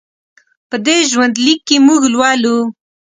په دې ژوند لیک کې موږ لولو.